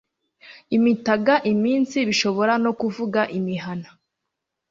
imitaga iminsi bishobora no kuvuga imihana